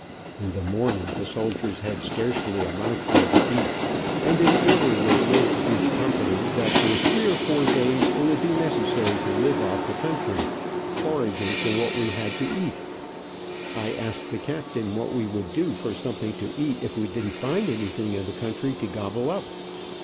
In the morning the soldiers had scarcely a mouthful to eat, and an order was read to each company that for three or four days it would be necessary to live off the country, foraging for what we had to eat. I asked the captain what we would do for something to eat if we didn't find anything in the country to gobble up.